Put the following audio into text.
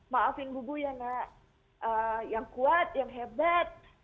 maafin bubu yang kuat yang hebat